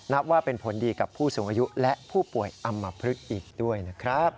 นับว่าเป็นผลดีกับผู้สูงอายุและผู้ป่วยอำมพลึกอีกด้วยนะครับ